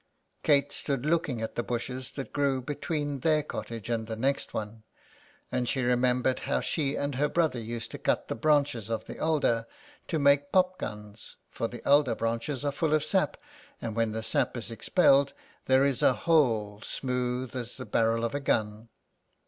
Kate stood looking at the bushes that grew between their cottage and the next one, and she remembered how she and her brother used to cut the branches of the alder to make pop guns, for the alder branches are full of sap, and when the sap is expelled there is a hole smooth as the barrel of a gun.